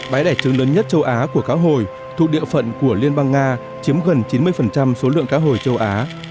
bãi đẻ trứng lớn nhất châu á của cá hồi thuộc địa phận của liên bang nga chiếm gần chín mươi số lượng cá hồi châu á